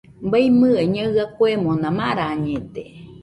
Baimɨe Ñaɨa kuemona marañede.